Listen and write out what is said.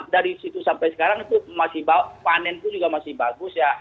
dari situ sampai sekarang panen itu juga masih bagus ya